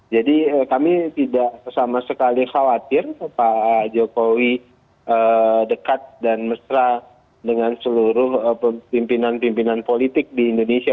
jadi kami tidak sama sekali khawatir pak jokowi dekat dan mesra dengan seluruh pemimpinan pemimpinan politik di indonesia